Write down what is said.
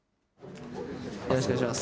よろしくお願いします。